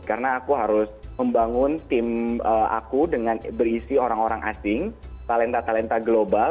karena aku harus membangun tim aku dengan berisi orang orang asing talenta talenta global